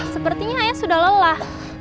sepertinya ayah sudah lelah